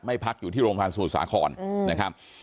พักอยู่ที่โรงพยาบาลสมุทรสาครนะครับ